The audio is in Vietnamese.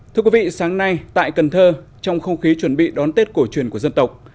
thưa quý vị sáng nay tại cần thơ trong không khí chuẩn bị đón tết cổ truyền của dân tộc